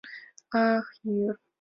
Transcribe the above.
Ах, йӱр!